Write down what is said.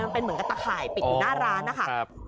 เป็นเหมือนกับตะข่ายปิดอยู่หน้าร้านนะคะ